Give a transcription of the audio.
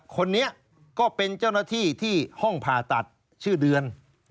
คนนี้ก็เป็นเจ้าหน้าที่ที่ห้องผ่าตัดชื่อเดือน